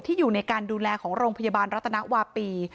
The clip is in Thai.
อยู่ในการดูแลของโรงพยาบาลรัตนวาปี